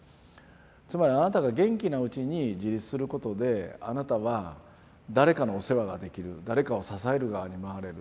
つまりあなたが元気なうちに自立することであなたは誰かのお世話ができる誰かを支える側に回れる。